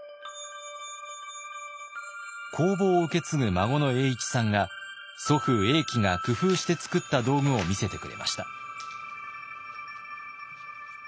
工房を受け継ぐ孫の栄市さんが祖父栄喜が工夫して作った道具を見せてくれました。